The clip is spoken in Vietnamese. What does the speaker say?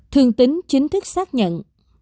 thương tính chính thức xác nhận